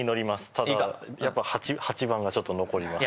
ただ８番がちょっと残ります